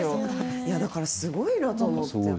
いやだからすごいなと思って。